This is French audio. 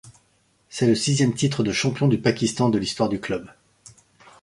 C'est le sixième titre de champion du Pakistan de l'histoire du club.